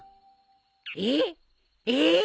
えっ！？えっ！？